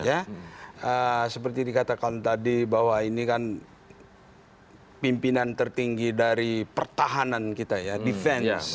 ya seperti dikatakan tadi bahwa ini kan pimpinan tertinggi dari pertahanan kita ya defense